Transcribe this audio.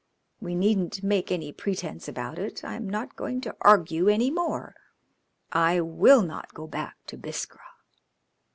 We needn't make any pretence about it, I am not going to argue any more. I will not go back to Biskra."